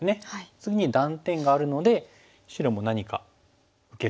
次に断点があるので白も何か受けるぐらいですかね。